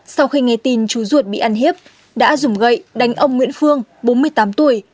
sau khi nghe tin chú ruột bị ăn hiếp đã dùng gậy đánh ông nguyễn phương bốn mươi tám tuổi